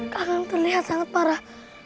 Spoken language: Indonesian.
kakang terlihat sangat parah